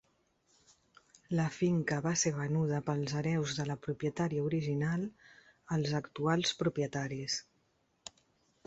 La finca va ser venuda pels hereus de la propietària original als actuals propietaris.